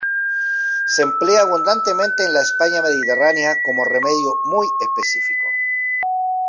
Se emplea abundantemente en la España Mediterránea como remedio muy específico.